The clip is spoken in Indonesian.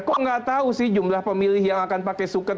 kok nggak tahu sih jumlah pemilih yang akan pakai suket